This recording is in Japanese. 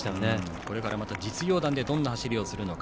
これからまた実業団でどんな走りをするか。